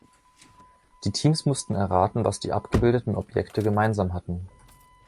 Die Teams mussten erraten, was die abgebildeten Objekte gemeinsam hatten.